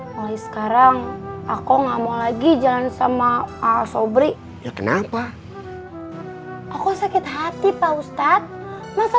mulai sekarang aku nggak mau lagi jalan sama al sobri ya kenapa aku sakit hati pak ustadz masa